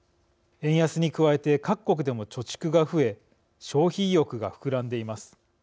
円安に加えて各国でも貯蓄が増え消費意欲が膨らんでいます。